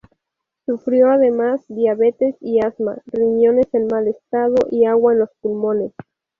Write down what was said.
Sufrió, además, diabetes y asma, riñones en mal estado y agua en los pulmones.